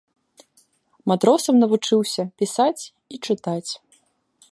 Матросам навучыўся пісаць і чытаць.